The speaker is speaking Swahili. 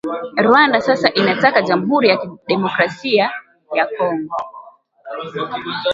Rwanda sasa inataka jamhuri ya kidemokrasia ya Kongo